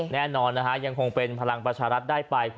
แน่นอนนะฮะยังคงเป็นพลังประชารัฐได้ไป